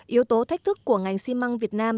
yếu tố thách thức của ngành xi măng việt nam